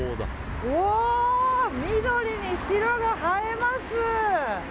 緑に白が映えます！